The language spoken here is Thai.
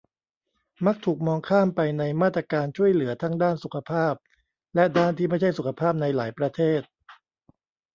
มักถูกมองข้ามไปในมาตรการช่วยเหลือ ทั้งด้านสุขภาพ และด้านที่ไม่ใช่สุขภาพ ในหลายประเทศ